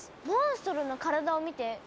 モンストロの体を見て。